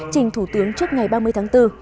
trình thủ tướng trước ngày ba mươi tháng bốn